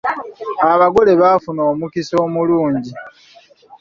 Abagole bafuna omukisa omulungi.